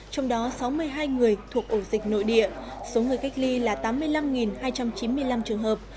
trong đó sáu mươi hai người thuộc ổ dịch nội địa số người cách ly là tám mươi năm hai trăm chín mươi năm trường hợp